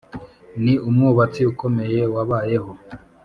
ni umwubatsi ukomeye wabayeho.